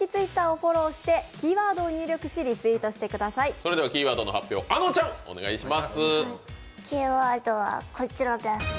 それではキーワードの発表をあのちゃん、お願いします。